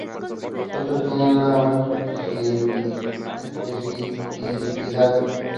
Estos tienen una baja especificidad.